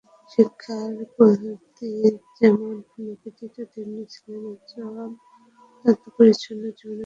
শিক্ষার প্রতি যেমন নিবেদিত, তেমনি ছিলেন একজন অত্যন্ত পরিচ্ছন্ন জীবনের অধিকারী।